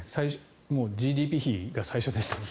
ＧＤＰ比が最初でしたね。